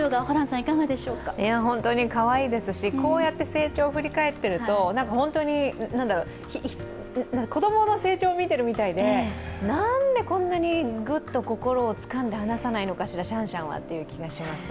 いやほんとにかわいいですし、こうやって成長を振り返っていると本当に子供の成長を見ているみたいで、何でこんなにグッと心をつかんで離さないのかしら、シャンシャンはという気がします。